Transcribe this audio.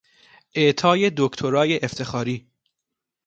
اعطای دکترای افتخاری